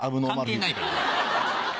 関係ないから。